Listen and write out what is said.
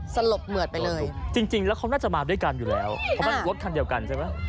สลบเหมือดไปเลยจริงจริงแล้วเขาน่าจะมาด้วยกันอยู่แล้วเพราะมันรถคันเดียวกันใช่ไหม